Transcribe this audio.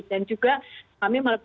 dan juga kami melakukan